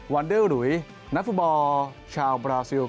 วันเดอร์หลุยนักฟุตบอลชาวบราซิล